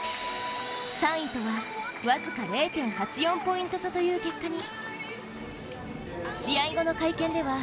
３位とは僅か０．８４ポイント差という結果に。